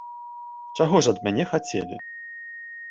Чаго ж ад мяне хацелі?